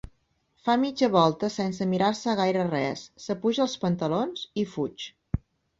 Fa mitja volta sense mirar-se gaire res, s'apuja els pantalons i fuig.